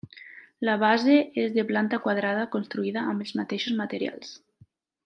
La base és de planta quadrada construïda amb els mateixos materials.